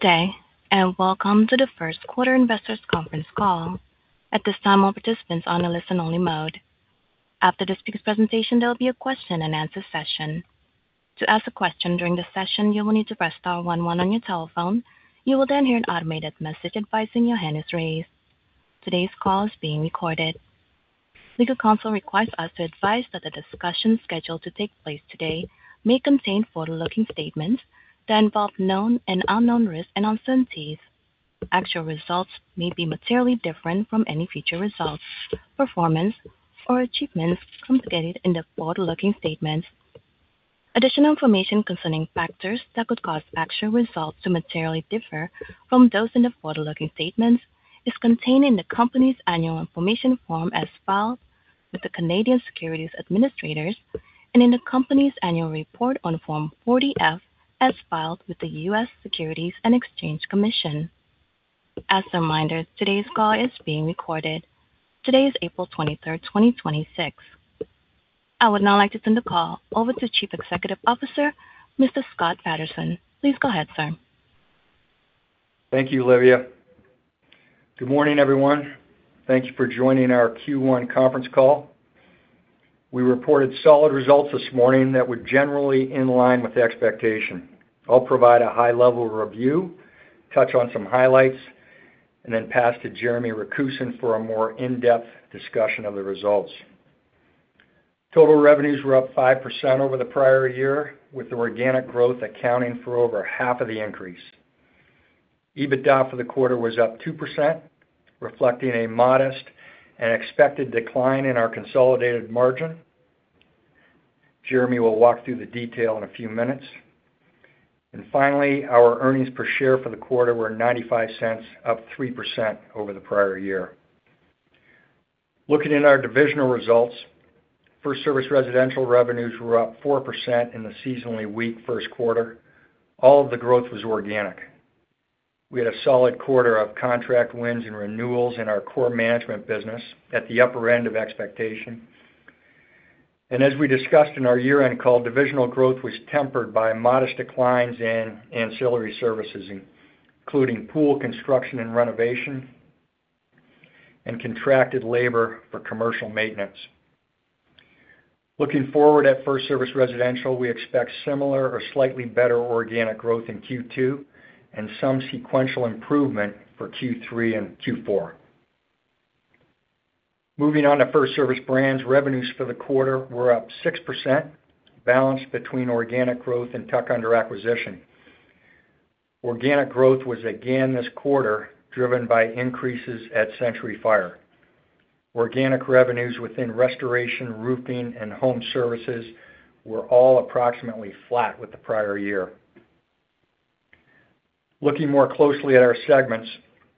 Good day, and welcome to the First Quarter Investors Conference Call. At this time, all participants are in listen-only mode. After the speaker's presentation, there'll be a question-and-answer session. To ask a question during the session, you will need to press star one one on your telephone. You will then hear an automated message advising your hand is raised. Today's call is being recorded. Legal counsel requires us to advise that the discussion scheduled to take place today may contain forward-looking statements that involve known and unknown risks and uncertainties. Actual results may be materially different from any future results, performance, or achievements communicated in the forward-looking statements. Additional information concerning factors that could cause actual results to materially differ from those in the forward-looking statements is contained in the company's annual information form as filed with the Canadian Securities Administrators and in the company's annual report on Form 40-F as filed with the U.S. Securities and Exchange Commission. As a reminder, today's call is being recorded. Today is April 23rd, 2026. I would now like to turn the call over to Chief Executive Officer, Mr. Scott Patterson. Please go ahead, sir. Thank you, Olivia. Good morning, everyone. Thank you for joining our Q1 conference call. We reported solid results this morning that were generally in line with the expectation. I'll provide a high-level review, touch on some highlights, and then pass to Jeremy Rakusin for a more in-depth discussion of the results. Total revenues were up 5% over the prior year, with organic growth accounting for over half of the increase. EBITDA for the quarter was up 2%, reflecting a modest and expected decline in our consolidated margin. Jeremy will walk through the detail in a few minutes. Finally, our earnings per share for the quarter were $0.95, up 3% over the prior year. Looking at our divisional results, FirstService Residential revenues were up 4% in the seasonally weak first quarter. All of the growth was organic. We had a solid quarter of contract wins and renewals in our core management business at the upper end of expectation. As we discussed in our year-end call, divisional growth was tempered by modest declines in ancillary services, including pool construction and renovation and contracted labor for commercial maintenance. Looking forward to FirstService Residential, we expect similar or slightly better organic growth in Q2 and some sequential improvement for Q3 and Q4. Moving on to FirstService Brands, revenues for the quarter were up 6%, balanced between organic growth and tuck-in acquisition. Organic growth was again this quarter driven by increases at Century Fire. Organic revenues within restoration, roofing, and home services were all approximately flat with the prior year. Looking more closely at our segments,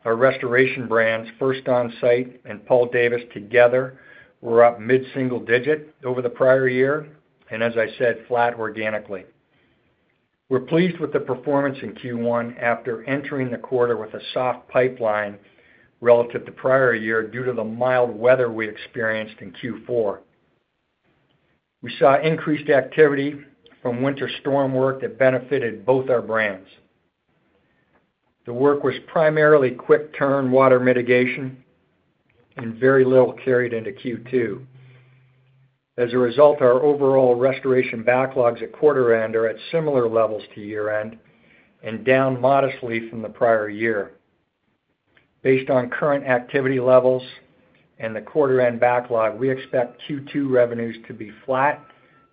our restoration brands, First Onsite and Paul Davis together, were up mid-single digit over the prior year, and as I said, flat organically. We're pleased with the performance in Q1 after entering the quarter with a soft pipeline relative to prior year due to the mild weather we experienced in Q4. We saw increased activity from winter storm work that benefited both our brands. The work was primarily quick-turn water mitigation and very little carried into Q2. As a result, our overall restoration backlogs at quarter end are at similar levels to year end and down modestly from the prior year. Based on current activity levels and the quarter end backlog, we expect Q2 revenues to be flat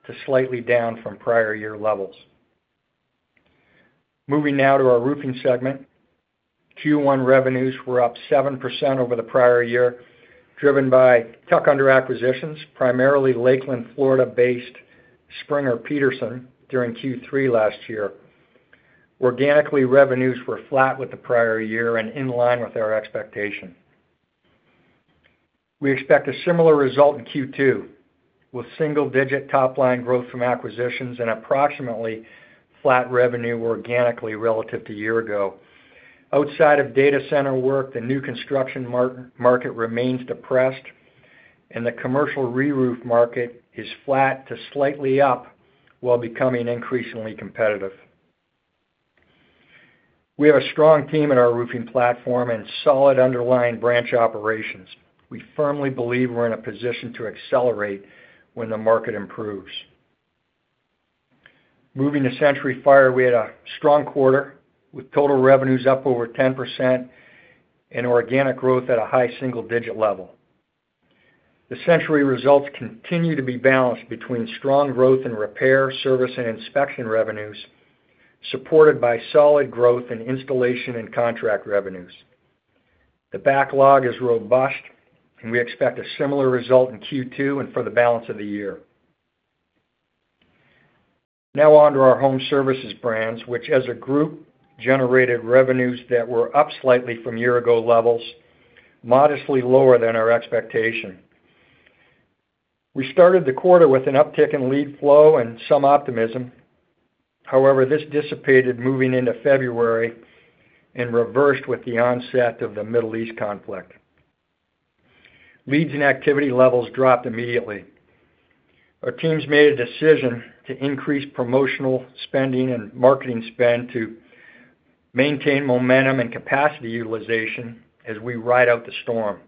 to slightly down from prior year levels. Moving now to our roofing segment. Q1 revenues were up 7% over the prior year, driven by tuck-in acquisitions, primarily Lakeland, Florida-based Springer-Peterson during Q3 last year. Organically, revenues were flat with the prior year and in line with our expectation. We expect a similar result in Q2, with single-digit top-line growth from acquisitions and approximately flat revenue organically relative to year ago. Outside of data center work, the new construction market remains depressed, and the commercial reroof market is flat to slightly up while becoming increasingly competitive. We have a strong team in our roofing platform and solid underlying branch operations. We firmly believe we're in a position to accelerate when the market improves. Moving to Century Fire, we had a strong quarter with total revenues up over 10% and organic growth at a high single-digit level. The Century Fire results continue to be balanced between strong growth in repair, service, and inspection revenues, supported by solid growth in installation and contract revenues. The backlog is robust, and we expect a similar result in Q2 and for the balance of the year. Now on to our home services brands, which as a group, generated revenues that were up slightly from year-ago levels, modestly lower than our expectation. We started the quarter with an uptick in lead flow and some optimism. However, this dissipated moving into February and reversed with the onset of the Middle East conflict. Leads and activity levels dropped immediately. Our teams made a decision to increase promotional spending and marketing spend to maintain momentum and capacity utilization as we ride out the storm.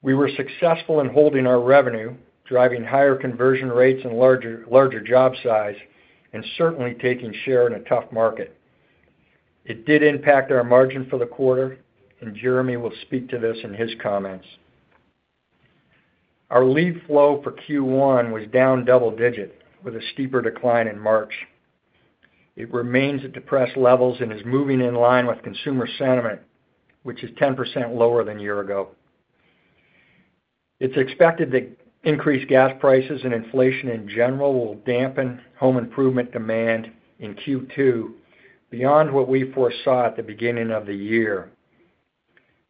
We were successful in holding our revenue, driving higher conversion rates and larger job size, and certainly taking share in a tough market. It did impact our margin for the quarter, and Jeremy will speak to this in his comments. Our lead flow for Q1 was down double-digit with a steeper decline in March. It remains at depressed levels and is moving in line with consumer sentiment, which is 10% lower than a year ago. It's expected that increased gas prices and inflation in general will dampen home improvement demand in Q2 beyond what we foresaw at the beginning of the year.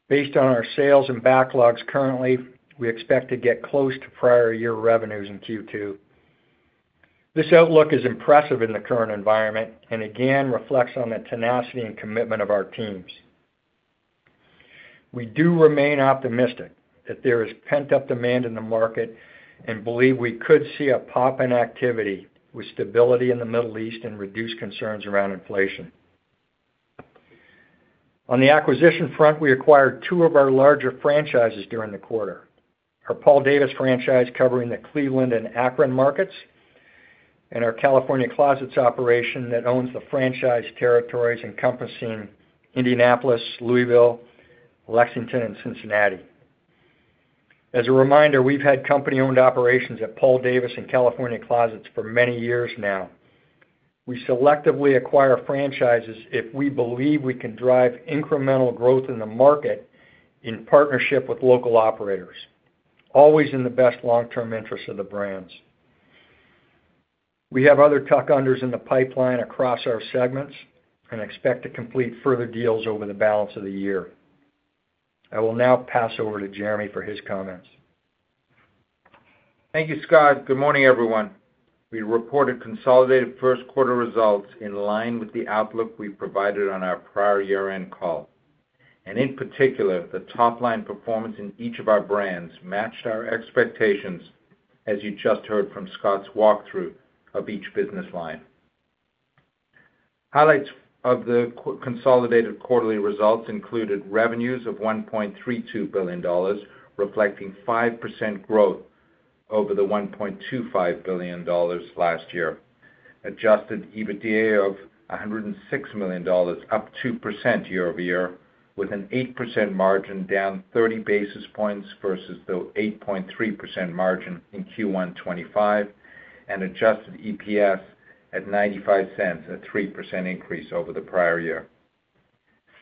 Based on our sales and backlogs currently, we expect to get close to prior year revenues in Q2. This outlook is impressive in the current environment and again reflects on the tenacity and commitment of our teams. We do remain optimistic that there is pent-up demand in the market and believe we could see a pop in activity with stability in the Middle East and reduced concerns around inflation. On the acquisition front, we acquired two of our larger franchises during the quarter. Our Paul Davis franchise covering the Cleveland and Akron markets, and our California Closets operation that owns the franchise territories encompassing Indianapolis, Louisville, Lexington, and Cincinnati. As a reminder, we've had company-owned operations at Paul Davis and California Closets for many years now. We selectively acquire franchises if we believe we can drive incremental growth in the market in partnership with local operators, always in the best long-term interest of the brands. We have other tuck-ins in the pipeline across our segments and expect to complete further deals over the balance of the year. I will now pass over to Jeremy for his comments. Thank you, Scott. Good morning, everyone. We reported consolidated first quarter results in line with the outlook we provided on our prior year-end call. In particular, the top-line performance in each of our brands matched our expectations, as you just heard from Scott's walkthrough of each business line. Highlights of the consolidated quarterly results included revenues of $1.32 billion, reflecting 5% growth over the $1.25 billion last year. Adjusted EBITDA of $106 million, up 2% year-over-year, with an 8% margin down 30 basis points versus the 8.3% margin in Q1 2025, and adjusted EPS at $0.95, a 3% increase over the prior year.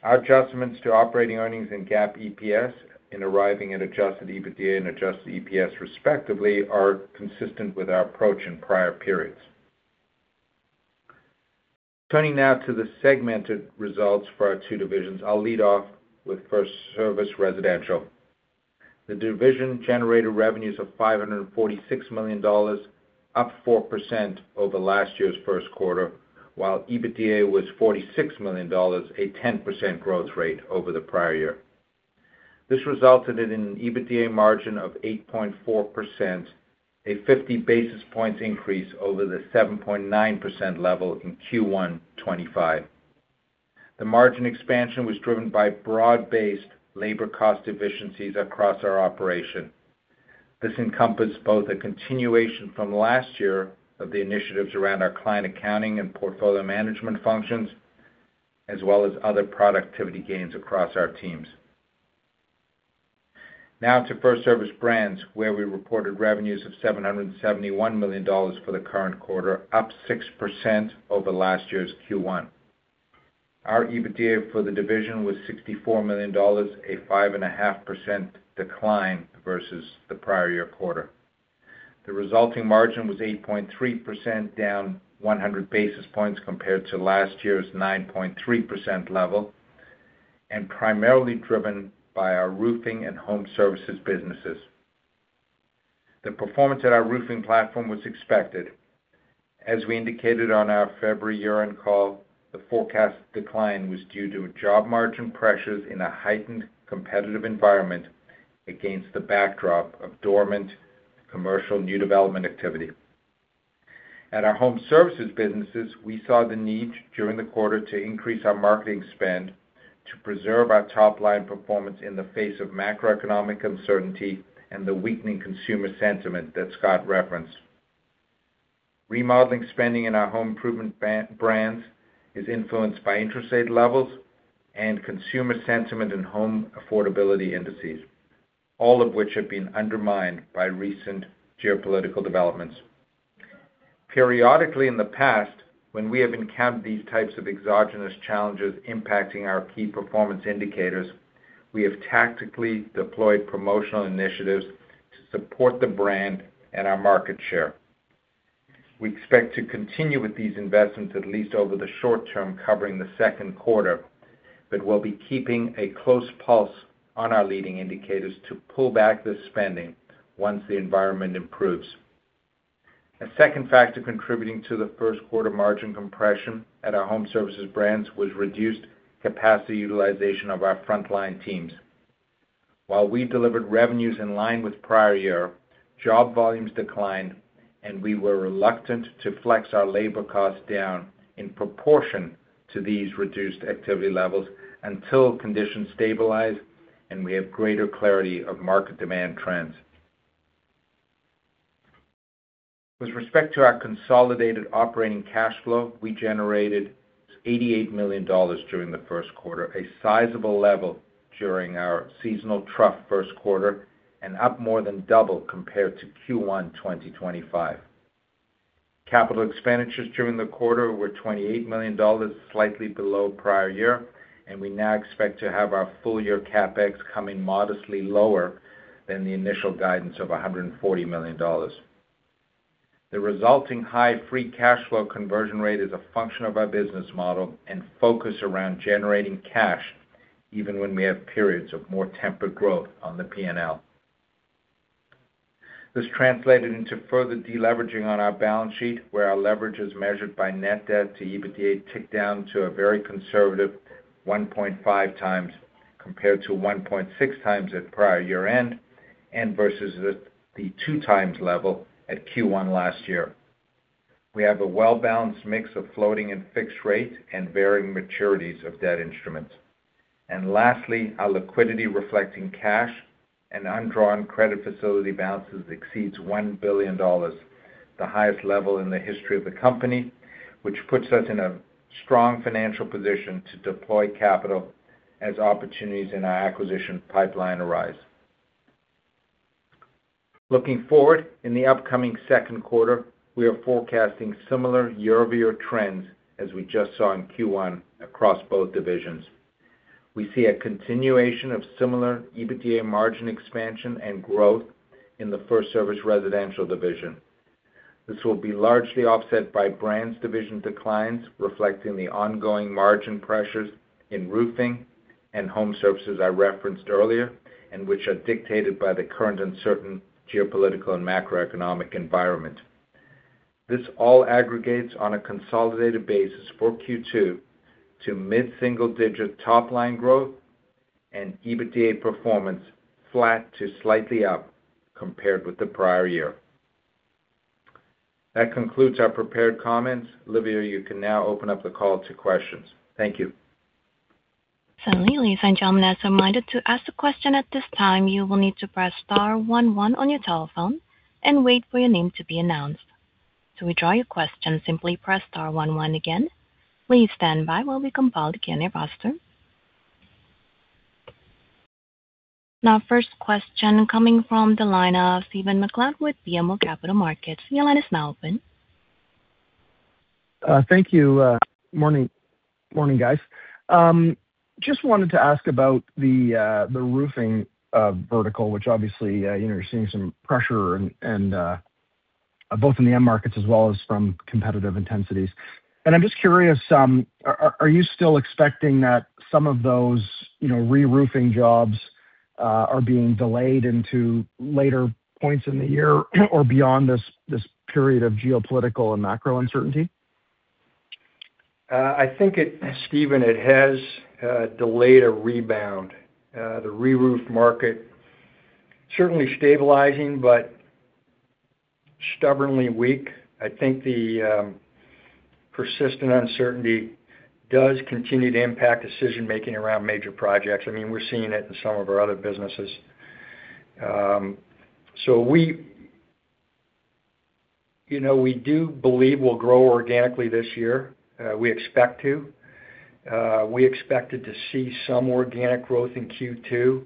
Our adjustments to operating earnings and GAAP EPS in arriving at adjusted EBITDA and adjusted EPS respectively are consistent with our approach in prior periods. Turning now to the segmented results for our two divisions. I'll lead off with FirstService Residential. The division generated revenues of $546 million, up 4% over last year's first quarter, while EBITDA was $46 million, a 10% growth rate over the prior year. This resulted in an EBITDA margin of 8.4%, a 50 basis points increase over the 7.9% level in Q1 2025. The margin expansion was driven by broad-based labor cost efficiencies across our operation. This encompassed both a continuation from last year of the initiatives around our client accounting and portfolio management functions, as well as other productivity gains across our teams. Now to FirstService Brands, where we reported revenues of $771 million for the current quarter, up 6% over last year's Q1. Our EBITDA for the division was $64 million, a 5.5% decline versus the prior year quarter. The resulting margin was 8.3%, down 100 basis points compared to last year's 9.3% level, and primarily driven by our roofing and home services businesses. The performance at our roofing platform was expected. As we indicated on our February year-end call, the forecast decline was due to job margin pressures in a heightened competitive environment against the backdrop of dormant commercial new development activity. At our home services businesses, we saw the need during the quarter to increase our marketing spend to preserve our top-line performance in the face of macroeconomic uncertainty and the weakening consumer sentiment that Scott referenced. Remodeling spending in our home improvement brands is influenced by interest rate levels and consumer sentiment and home affordability indices, all of which have been undermined by recent geopolitical developments. Periodically in the past, when we have encountered these types of exogenous challenges impacting our key performance indicators, we have tactically deployed promotional initiatives to support the brand and our market share. We expect to continue with these investments at least over the short term, covering the second quarter, but we'll be keeping a close pulse on our leading indicators to pull back the spending once the environment improves. A second factor contributing to the first quarter margin compression at our home services brands was reduced capacity utilization of our frontline teams. While we delivered revenues in line with prior year, job volumes declined, and we were reluctant to flex our labor costs down in proportion to these reduced activity levels until conditions stabilize and we have greater clarity of market demand trends. With respect to our consolidated operating cash flow, we generated $88 million during the first quarter, a sizable level during our seasonal trough first quarter, and up more than double compared to Q1 2025. Capital expenditures during the quarter were $28 million, slightly below prior year, and we now expect to have our full-year CapEx coming modestly lower than the initial guidance of $140 million. The resulting high free cash flow conversion rate is a function of our business model and focus around generating cash even when we have periods of more tempered growth on the P&L. This translated into further deleveraging on our balance sheet, where our leverage is measured by net debt to EBITDA ticked down to a very conservative 1.5x, compared to 1.6x at prior year-end, and versus the 2x level at Q1 last year. We have a well-balanced mix of floating and fixed rate and varying maturities of debt instruments. Lastly, our liquidity reflecting cash and undrawn credit facility balances exceeds $1 billion, the highest level in the history of the company, which puts us in a strong financial position to deploy capital as opportunities in our acquisition pipeline arise. Looking forward, in the upcoming second quarter, we are forecasting similar year-over-year trends as we just saw in Q1 across both divisions. We see a continuation of similar EBITDA margin expansion and growth in the FirstService Residential division. This will be largely offset by Brands division declines, reflecting the ongoing margin pressures in roofing and home services I referenced earlier, and which are dictated by the current uncertain geopolitical and macroeconomic environment. This all aggregates on a consolidated basis for Q2 to mid-single digit top line growth and EBITDA performance flat to slightly up compared with the prior year. That concludes our prepared comments. Olivia, you can now open up the call to questions. Thank you. Certainly. Ladies and gentlemen, as a reminder, to ask a question at this time, you will need to press star one one on your telephone and wait for your name to be announced. To withdraw your question, simply press star one one again. Please stand by while we compile the Q&A roster. Now, first question coming from the line of Stephen MacLeod with BMO Capital Markets. Your line is now open. Thank you. Morning, guys. Just wanted to ask about the roofing vertical, which obviously, you're seeing some pressure both in the end markets as well as from competitive intensities. I'm just curious, are you still expecting that some of those reroofing jobs are being delayed into later points in the year or beyond this period of geopolitical and macro uncertainty? I think, Stephen, it has delayed a rebound. The reroof market, certainly stabilizing, but stubbornly weak. I think the persistent uncertainty does continue to impact decision-making around major projects. We're seeing it in some of our other businesses. We do believe we'll grow organically this year. We expect to. We expected to see some organic growth in Q2,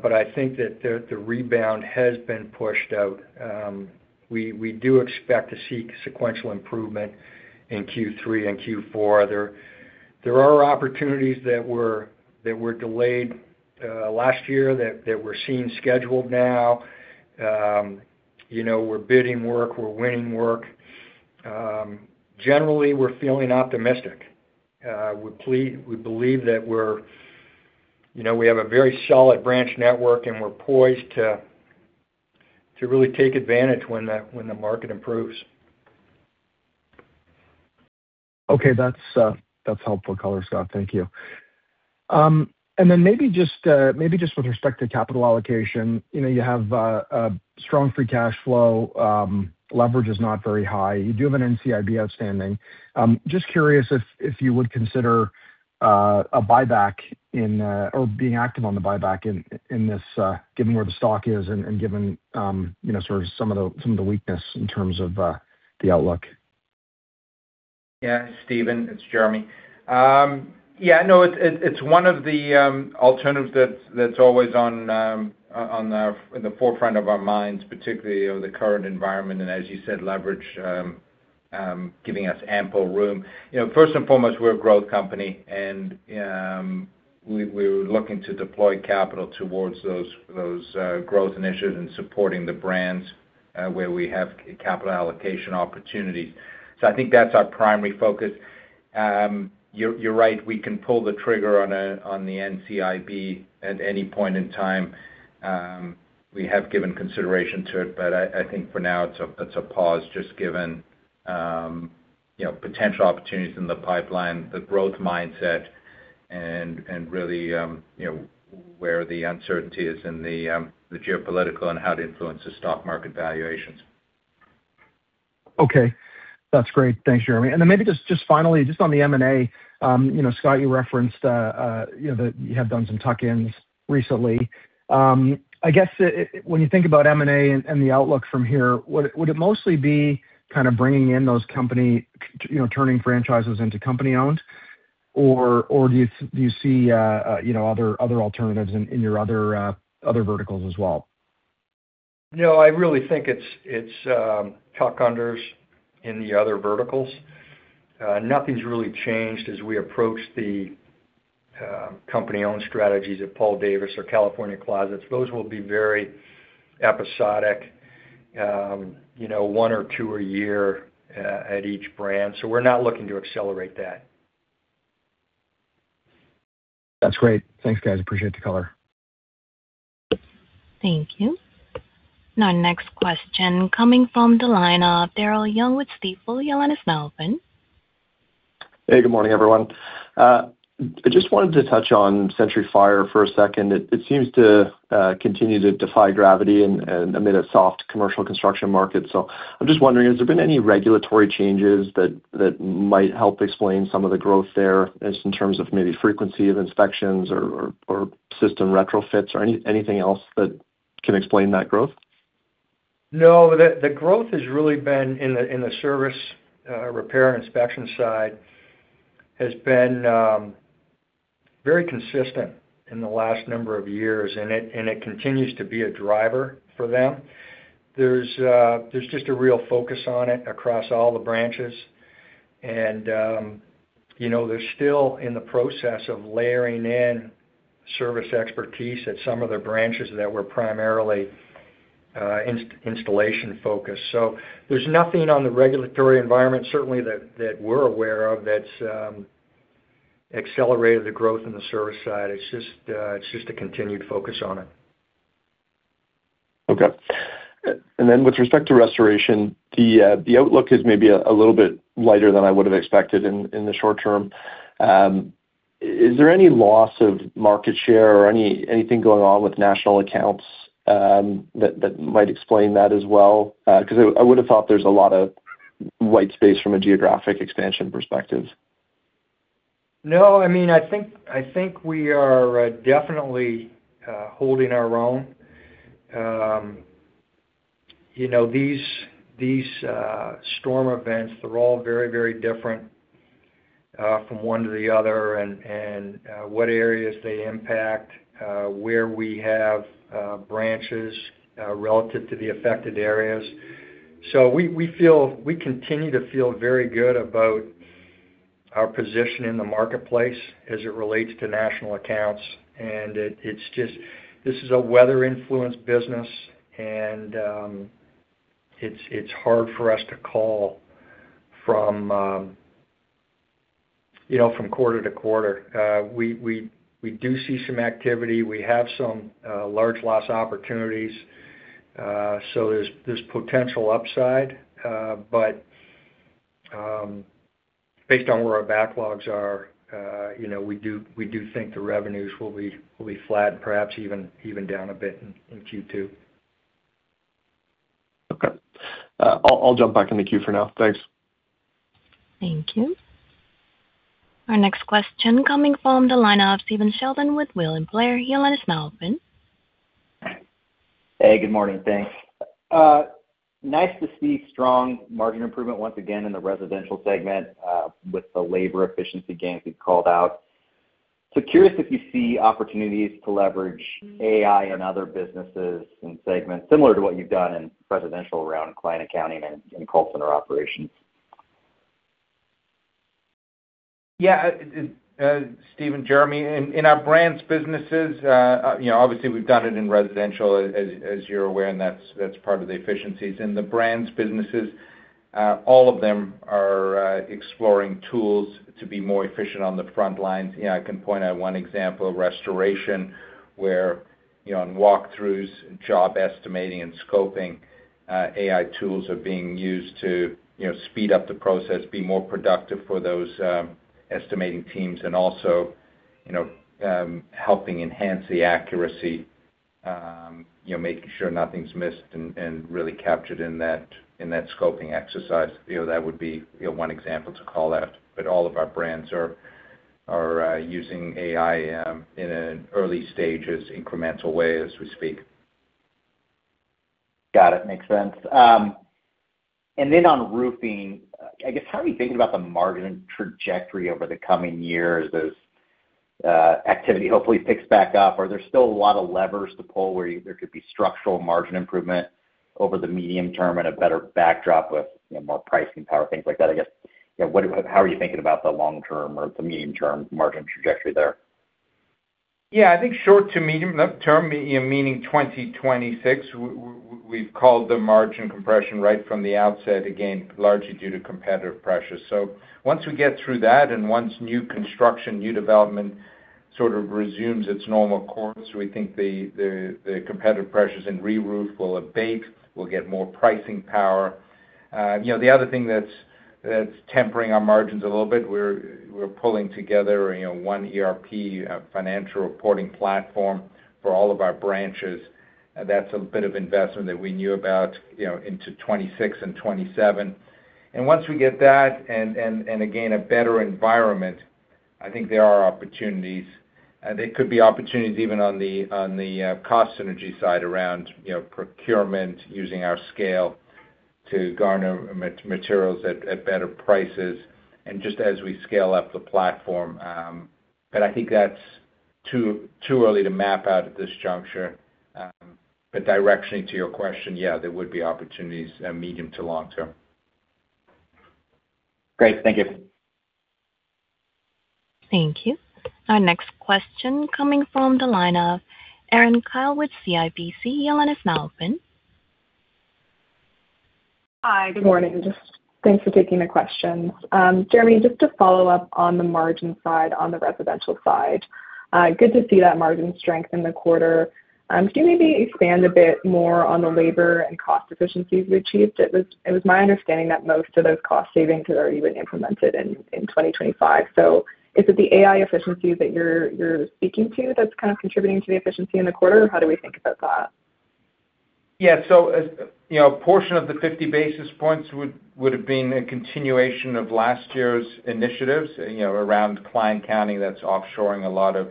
but I think that the rebound has been pushed out. We do expect to see sequential improvement in Q3 and Q4. There are opportunities that were delayed last year that we're seeing scheduled now. We're bidding work. We're winning work. Generally, we're feeling optimistic. We believe that we have a very solid branch network, and we're poised to really take advantage when the market improves. Okay. That's helpful color, Scott. Thank you. Maybe just with respect to capital allocation, you have a strong free cash flow. Leverage is not very high. You do have an NCIB outstanding. Just curious if you would consider a buyback or being active on the buyback given where the stock is and given sort of some of the weakness in terms of the outlook. Yeah, Stephen, it's Jeremy. Yeah, no, it's one of the alternatives that's always in the forefront of our minds, particularly over the current environment, and as you said, leverage giving us ample room. First and foremost, we're a growth company, and we're looking to deploy capital towards those growth initiatives and supporting the brands where we have capital allocation opportunities. I think that's our primary focus. You're right, we can pull the trigger on the NCIB at any point in time. We have given consideration to it, but I think for now it's a pause just given potential opportunities in the pipeline, the growth mindset, and really where the uncertainty is in the geopolitical and how to influence the stock market valuations. Okay. That's great. Thanks, Jeremy. Maybe just finally, just on the M&A, Scott, you referenced that you have done some tuck-ins recently. I guess, when you think about M&A and the outlook from here, would it mostly be kind of bringing in those companies, turning franchises into company-owned? Or do you see other alternatives in your other verticals as well? No, I really think it's tuck-unders in the other verticals. Nothing's really changed as we approach the company-owned strategies at Paul Davis or California Closets. Those will be very episodic, one or two a year at each brand. We're not looking to accelerate that. That's great. Thanks, guys, appreciate the color. Thank you. Now next question coming from the line of Daryl Young with Stifel. Your line is now open. Hey, good morning, everyone. I just wanted to touch on Century Fire for a second. It seems to continue to defy gravity amid a soft commercial construction market. I'm just wondering, has there been any regulatory changes that might help explain some of the growth there, just in terms of maybe frequency of inspections or system retrofits or anything else that can explain that growth? No, the growth has really been in the service, repair, and inspection side. It has been very consistent in the last number of years, and it continues to be a driver for them. There's just a real focus on it across all the branches, and they're still in the process of layering in service expertise at some of their branches that were primarily installation-focused. There's nothing on the regulatory environment, certainly that we're aware of, that's accelerated the growth in the service side. It's just a continued focus on it. Okay. With respect to restoration, the outlook is maybe a little bit lighter than I would've expected in the short term. Is there any loss of market share or anything going on with national accounts that might explain that as well? Because I would've thought there's a lot of white space from a geographic expansion perspective. No, I think we are definitely holding our own. These storm events, they're all very, very different from one to the other and what areas they impact, where we have branches relative to the affected areas. We continue to feel very good about our position in the marketplace as it relates to national accounts, and this is a weather-influenced business, and it's hard for us to call from quarter to quarter. We do see some activity. We have some large loss opportunities. There's potential upside. Based on where our backlogs are, we do think the revenues will be flat, perhaps even down a bit in Q2. Okay. I'll jump back in the queue for now. Thanks. Thank you. Our next question coming from the line of Stephen Sheldon with William Blair. Your line is now open. Hey, good morning, thanks. Nice to see strong margin improvement once again in the residential segment with the labor efficiency gains you've called out. Curious if you see opportunities to leverage AI in other businesses and segments, similar to what you've done in residential around client accounting and call center operations. Yeah. Stephen, Jeremy. In our brands businesses, obviously we've done it in residential as you're aware, and that's part of the efficiencies. In the brands businesses, all of them are exploring tools to be more efficient on the front lines. I can point out one example, restoration, where on walkthroughs, job estimating, and scoping, AI tools are being used to speed up the process, be more productive for those estimating teams, and also helping enhance the accuracy, making sure nothing's missed and really captured in that scoping exercise. That would be one example to call out. All of our brands are using AI in an early stages, incremental way as we speak. Got it, makes sense. On roofing, I guess how are you thinking about the margin trajectory over the coming years as activity hopefully picks back up? Are there still a lot of levers to pull where there could be structural margin improvement over the medium term and a better backdrop with more pricing power, things like that? I guess, how are you thinking about the long term or the medium term margin trajectory there? Yeah, I think short to medium term, meaning 2026, we've called the margin compression right from the outset, again, largely due to competitive pressures. Once we get through that, and once new construction, new development Sort of resumes its normal course. We think the competitive pressures in reroof will abate. We'll get more pricing power. The other thing that's tempering our margins a little bit, we're pulling together one ERP financial reporting platform for all of our branches. That's a bit of investment that we knew about into 2026 and 2027. Once we get that and again, a better environment, I think there are opportunities. There could be opportunities even on the cost synergy side around procurement, using our scale to garner materials at better prices and just as we scale up the platform. I think that's too early to map out at this juncture. Directionally to your question, yeah, there would be opportunities medium to long term. Great. Thank you. Thank you. Our next question coming from the line of Erin Kyle with CIBC. Your line is now open. Hi, good morning. Just thanks for taking the questions. Jeremy, just to follow up on the margin side, on the residential side. Good to see that margin strength in the quarter. Could you maybe expand a bit more on the labor and cost efficiencies you achieved? It was my understanding that most of those cost savings are even implemented in 2025. Is it the AI efficiencies that you're speaking to that's kind of contributing to the efficiency in the quarter, or how do we think about that? Yeah. A portion of the 50 basis points would have been a continuation of last year's initiatives around client accounting. That's offshoring a lot of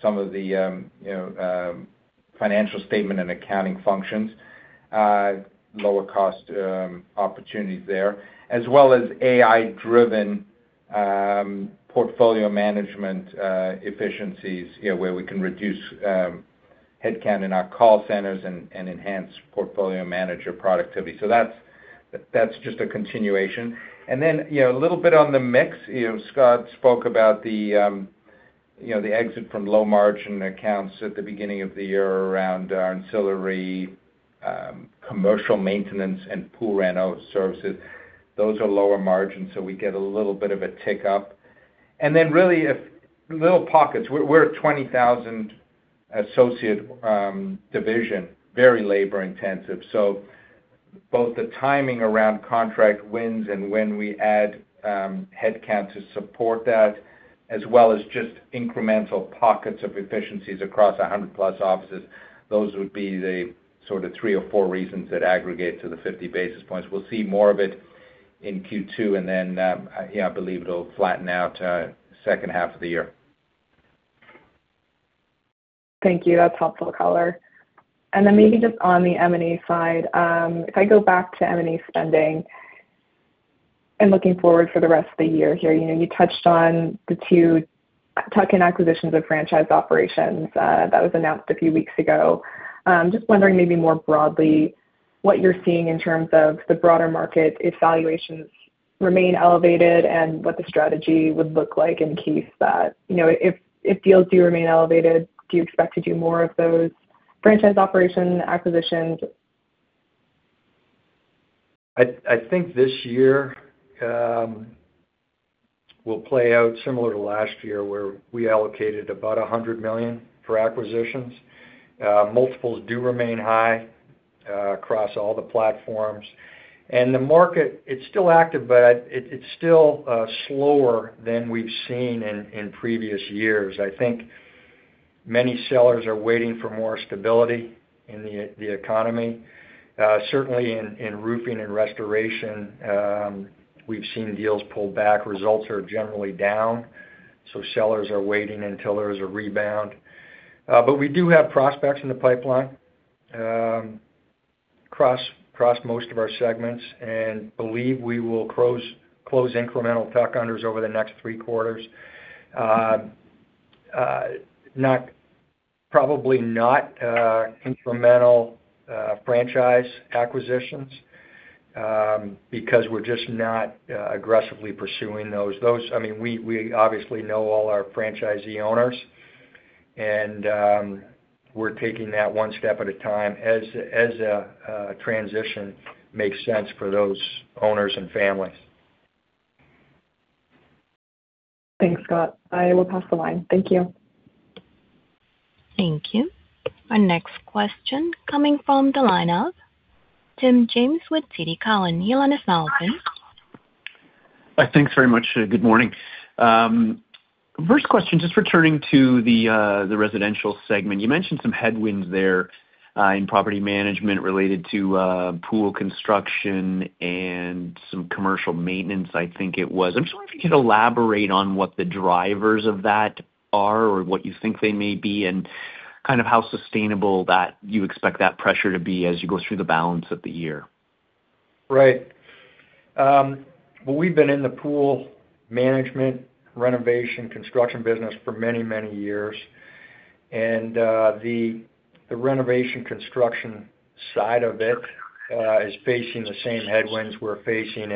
some of the financial statement and accounting functions, lower cost opportunities there, as well as AI-driven portfolio management efficiencies where we can reduce headcount in our call centers and enhance portfolio manager productivity. That's just a continuation. Then a little bit on the mix. Scott spoke about the exit from low-margin accounts at the beginning of the year around our ancillary commercial maintenance and pool reno services. Those are lower margins, so we get a little bit of a tick up. Really little pockets. We're a 20,000-associate division, very labor intensive. Both the timing around contract wins and when we add headcount to support that, as well as just incremental pockets of efficiencies across 100+ offices, those would be the sort of three or four reasons that aggregate to the 50 basis points. We'll see more of it in Q2, and then I believe it'll flatten out second half of the year. Thank you. That's helpful color. Maybe just on the M&A side. If I go back to M&A spending and looking forward for the rest of the year here. You touched on the two tuck-in acquisitions of franchised operations that was announced a few weeks ago. Just wondering maybe more broadly what you're seeing in terms of the broader market, if valuations remain elevated and what the strategy would look like if deals do remain elevated, do you expect to do more of those franchise operation acquisitions? I think this year will play out similar to last year, where we allocated about $100 million for acquisitions. Multiples do remain high across all the platforms. The market, it's still active, but it's still slower than we've seen in previous years. I think many sellers are waiting for more stability in the economy. Certainly in roofing and restoration, we've seen deals pull back. Results are generally down, so sellers are waiting until there is a rebound. We do have prospects in the pipeline across most of our segments and believe we will close incremental tuck-unders over the next three quarters. Probably not incremental franchise acquisitions because we're just not aggressively pursuing those. We obviously know all our franchisee owners, and we're taking that one step at a time as a transition makes sense for those owners and families. Thanks, Scott. I will pass the line. Thank you. Thank you. Our next question coming from the line of Tim James with TD Cowen. Your line is now open. Thanks very much. Good morning. First question, just returning to the residential segment. You mentioned some headwinds there in property management related to pool construction and some commercial maintenance, I think it was. I'm just wondering if you could elaborate on what the drivers of that are or what you think they may be and kind of how sustainable you expect that pressure to be as you go through the balance of the year. Right. Well, we've been in the pool management renovation construction business for many, many years. The renovation construction side of it is facing the same headwinds we're facing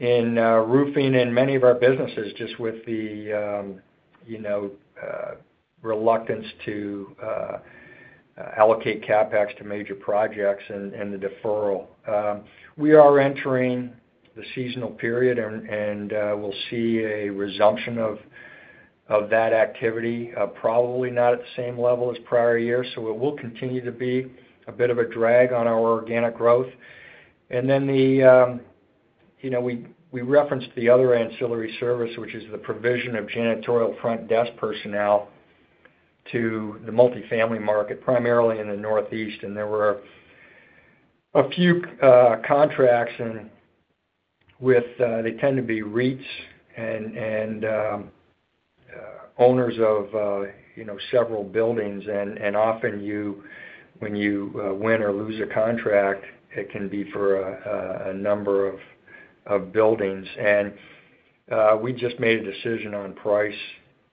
in roofing and many of our businesses just with the reluctance to allocate CapEx to major projects and the deferral. We are entering the seasonal period, and we'll see a resumption of that activity, probably not at the same level as prior years. It will continue to be a bit of a drag on our organic growth. Then we referenced the other ancillary service, which is the provision of janitorial front desk personnel to the multifamily market, primarily in the Northeast. There were a few contracts, and they tend to be REITs and owners of several buildings. Often when you win or lose a contract, it can be for a number of buildings. We just made a decision on price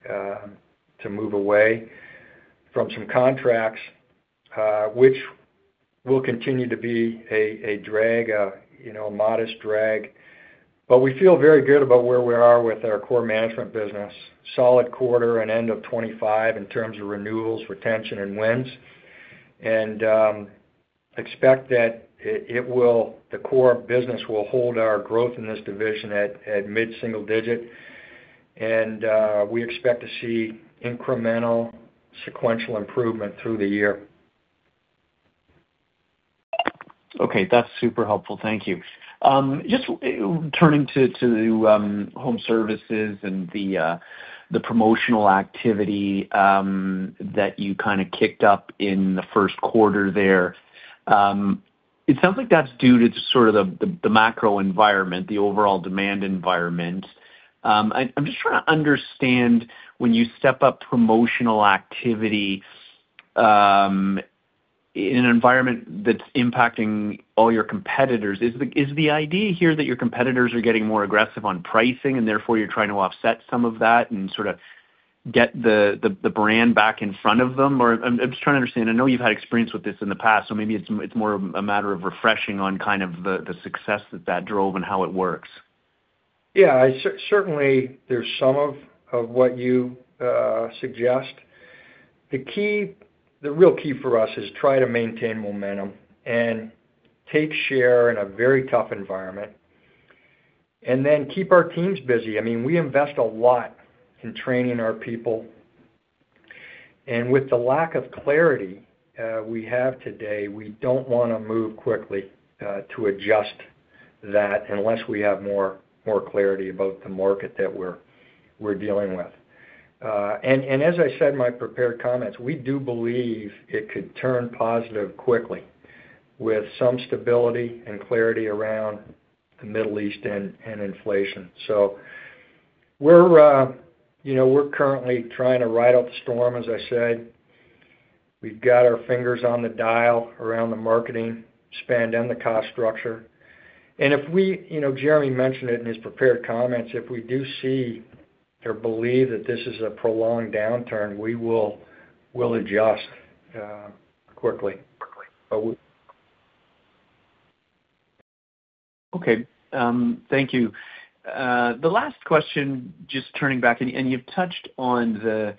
to move away from some contracts, which will continue to be a modest drag. We feel very good about where we are with our core management business. Solid quarter and end of 2025 in terms of renewals, retention, and wins, and expect that the core business will hold our growth in this division at mid-single digit. We expect to see incremental sequential improvement through the year. Okay. That's super helpful. Thank you. Just turning to home services and the promotional activity that you kind of kicked up in the first quarter there. It sounds like that's due to sort of the macro environment, the overall demand environment. I'm just trying to understand when you step up promotional activity in an environment that's impacting all your competitors, is the idea here that your competitors are getting more aggressive on pricing and therefore you're trying to offset some of that and sort of get the brand back in front of them? Or I'm just trying to understand. I know you've had experience with this in the past, so maybe it's more of a matter of refreshing on kind of the success that that drove and how it works. Yeah. Certainly, there's some of what you suggest. The real key for us is try to maintain momentum and take share in a very tough environment, and then keep our teams busy. We invest a lot in training our people. With the lack of clarity we have today, we don't want to move quickly to adjust that unless we have more clarity about the market that we're dealing with. As I said in my prepared comments, we do believe it could turn positive quickly with some stability and clarity around the Middle East and inflation. We're currently trying to ride out the storm, as I said. We've got our fingers on the dial around the marketing spend and the cost structure. Jeremy mentioned it in his prepared comments. If we do see or believe that this is a prolonged downturn, we'll adjust quickly. Okay. Thank you. The last question, just turning back, and you've touched on the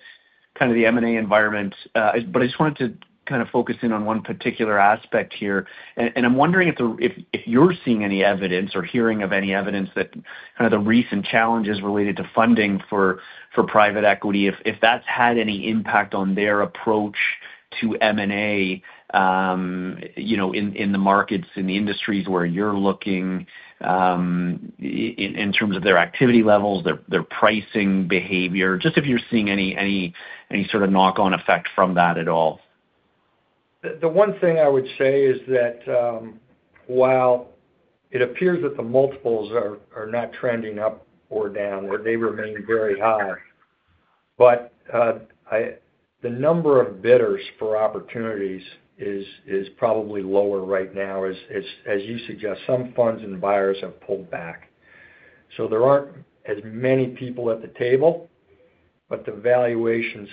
kind of the M&A environment, but I just wanted to kind of focus in on one particular aspect here. I'm wondering if you're seeing any evidence or hearing of any evidence that kind of the recent challenges related to funding for private equity, if that's had any impact on their approach to M&A in the markets, in the industries where you're looking, in terms of their activity levels, their pricing behavior, just if you're seeing any sort of knock-on effect from that at all? The one thing I would say is that, while it appears that the multiples are not trending up or down, they remain very high. The number of bidders for opportunities is probably lower right now, as you suggest. Some funds and buyers have pulled back. There aren't as many people at the table, but the valuations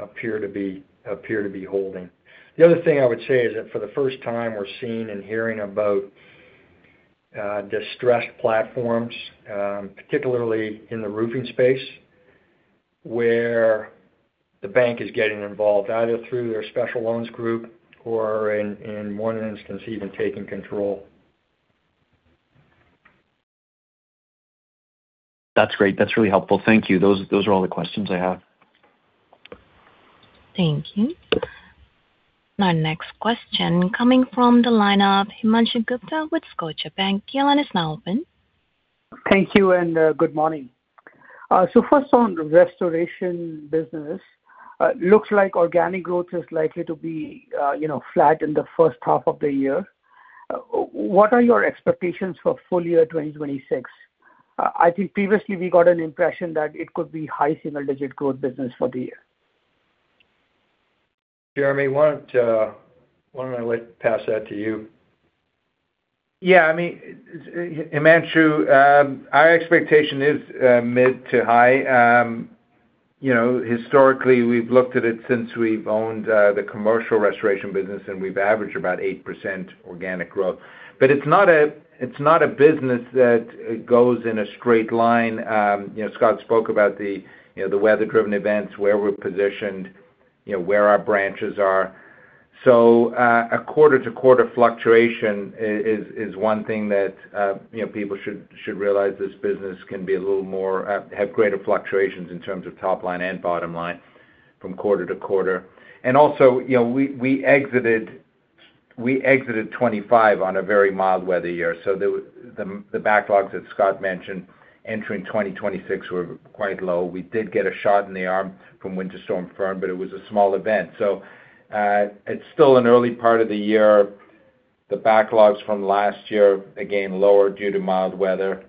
appear to be holding. The other thing I would say is that for the first time, we're seeing and hearing about distressed platforms, particularly in the roofing space, where the bank is getting involved, either through their special loans group or in one instance, even taking control. That's great. That's really helpful. Thank you. Those are all the questions I have. Thank you. Our next question coming from the line of Himanshu Gupta with Scotiabank. Your line is now open. Thank you, and good morning. First on restoration business, looks like organic growth is likely to be flat in the first half of the year. What are your expectations for full year 2026? I think previously we got an impression that it could be high single-digit growth business for the year. Jeremy, why don't I pass that to you? Yeah. Himanshu, our expectation is mid to high. Historically, we've looked at it since we've owned the commercial restoration business, and we've averaged about 8% organic growth. It's not a business that goes in a straight line. Scott spoke about the weather-driven events, where we're positioned, where our branches are. A quarter-to-quarter fluctuation is one thing that people should realize. This business can have greater fluctuations in terms of top line and bottom line from quarter to quarter. also, we exited 2025 on a very mild weather year. The backlogs that Scott mentioned entering 2026 were quite low. We did get a shot in the arm from Winter Storm Fern, but it was a small event, so it's still an early part of the year. The backlogs from last year, again, lower due to mild weather.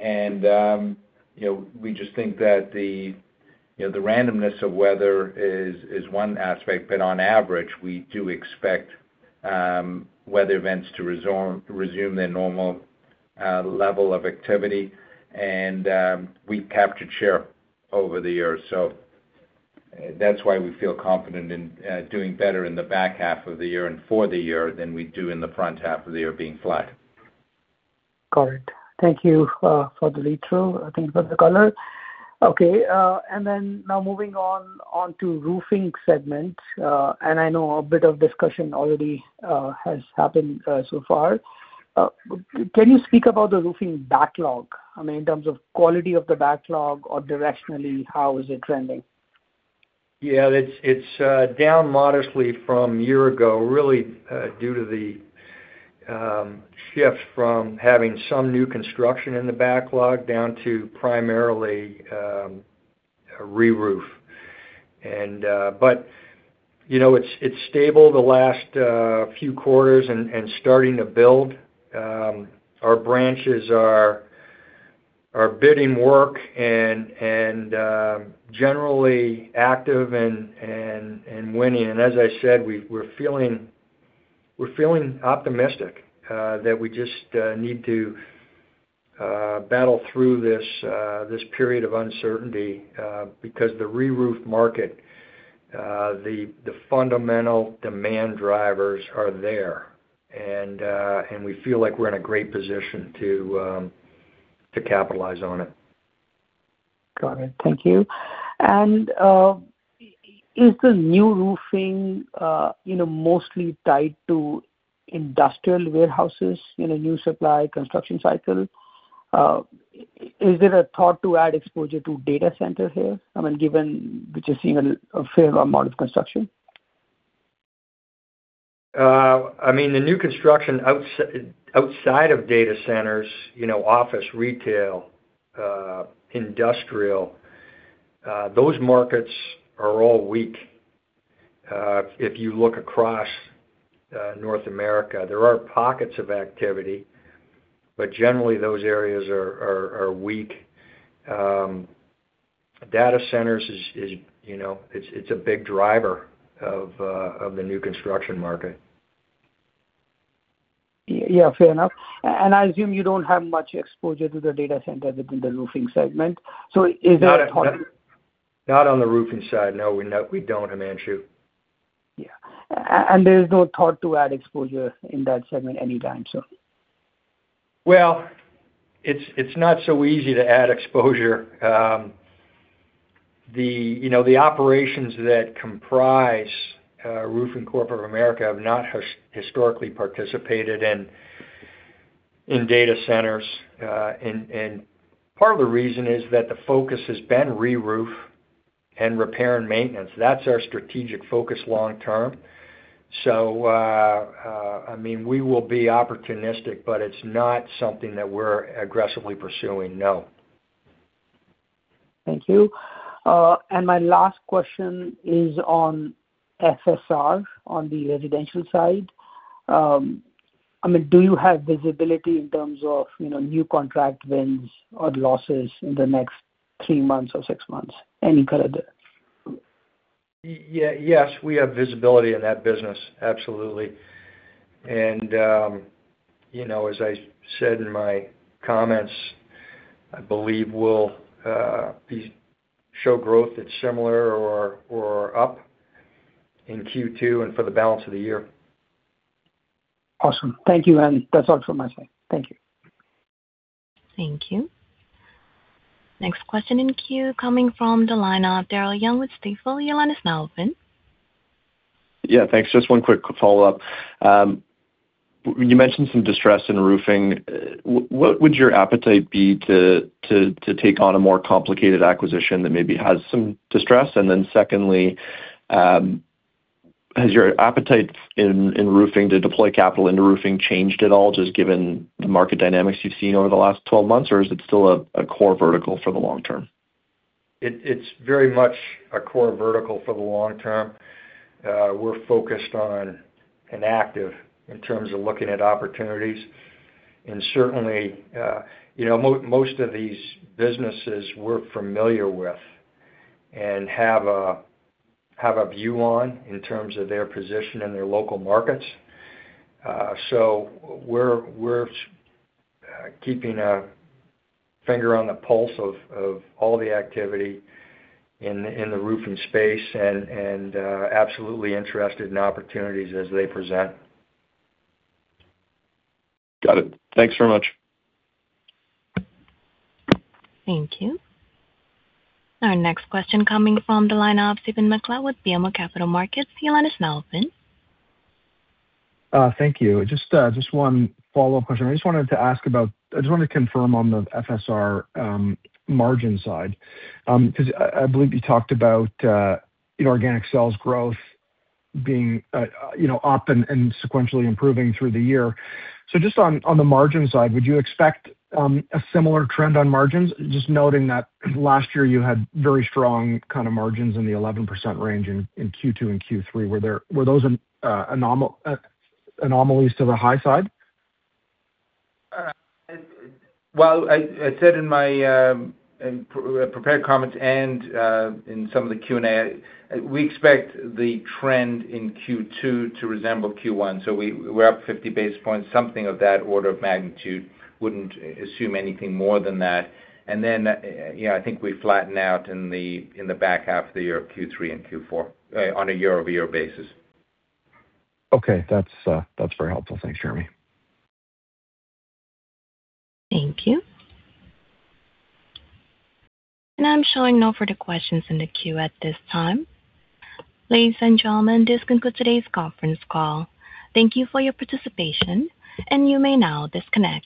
we just think that the randomness of weather is one aspect, but on average, we do expect weather events to resume their normal level of activity. we've captured share over the year. That's why we feel confident in doing better in the back half of the year and for the year than we do in the front half of the year being flat. Got it. Thank you for the lead through. Thank you for the color. Okay. Now moving on to Roofing segment. I know a bit of discussion already has happened so far. Can you speak about the Roofing backlog? I mean, in terms of quality of the backlog or directionally, how is it trending? Yeah. It's down modestly from a year ago, really due to the shift from having some new construction in the backlog down to primarily reroof. It's stable the last few quarters and starting to build. Our branches are bidding work and generally active and winning. As I said, we're feeling optimistic that we just need to battle through this period of uncertainty, because the reroof market, the fundamental demand drivers are there. We feel like we're in a great position to capitalize on it. Got it. Thank you. Is the new roofing mostly tied to industrial warehouses in a new supply construction cycle? Is there a thought to add exposure to data center here? I mean, given that you're seeing a fair amount of construction. I mean, the new construction outside of data centers, office, retail, industrial, those markets are all weak. If you look across North America, there are pockets of activity, but generally those areas are weak. Data centers, it's a big driver of the new construction market. Yeah, fair enough. I assume you don't have much exposure to the data center within the roofing segment. Is there a thought? Not on the roofing side. No, we don't, Himanshu. Yeah. There's no thought to add exposure in that segment anytime soon? Well, it's not so easy to add exposure. The operations that comprise Roofing Corp of America have not historically participated in data centers. Part of the reason is that the focus has been reroof and repair and maintenance. That's our strategic focus long term. I mean, we will be opportunistic, but it's not something that we're aggressively pursuing, no. Thank you. My last question is on FSV, on the residential side. I mean, do you have visibility in terms of new contract wins or losses in the next three months or six months? Any color there? Yes, we have visibility in that business, absolutely. As I said in my comments, I believe we'll show growth that's similar or up in Q2 and for the balance of the year. Awesome. Thank you. That's all from my side. Thank you. Thank you. Next question in queue coming from the line of Daryl Young with Stifel. Your line is now open. Yeah, thanks. Just one quick follow-up. You mentioned some distress in roofing. What would your appetite be to take on a more complicated acquisition that maybe has some distress? And then secondly, has your appetite to deploy capital into roofing changed at all, just given the market dynamics you've seen over the last 12 months? Or is it still a core vertical for the long term? It's very much a core vertical for the long term. We're focused on and active in terms of looking at opportunities. Certainly, most of these businesses we're familiar with and have a view on in terms of their position in their local markets. We're keeping a finger on the pulse of all the activity in the roofing space and absolutely interested in opportunities as they present. Got it. Thanks very much. Thank you. Our next question coming from the line of Stephen MacLeod with BMO Capital Markets. Your line is now open. Thank you. Just one follow-up question. I just wanted to confirm on the FSV margin side, because I believe you talked about inorganic sales growth being up and sequentially improving through the year. Just on the margin side, would you expect a similar trend on margins? Just noting that last year you had very strong kind of margins in the 11% range in Q2 and Q3. Were those anomalies to the high side? Well, I said in my prepared comments and in some of the Q&A, we expect the trend in Q2 to resemble Q1. We're up 50 basis points, something of that order of magnitude. Wouldn't assume anything more than that. I think we flatten out in the back half of the year, Q3 and Q4, on a year-over-year basis. Okay. That's very helpful. Thanks, Jeremy. Thank you. I'm showing no further questions in the queue at this time. Ladies and gentlemen, this concludes today's conference call. Thank you for your participation, and you may now disconnect.